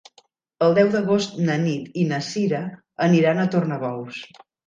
El deu d'agost na Nit i na Cira aniran a Tornabous.